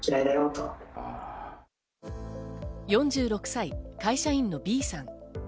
４６歳、会社員のＢさん。